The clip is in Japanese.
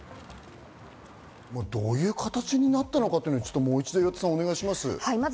どういう形になったのかをもう一度お願いします。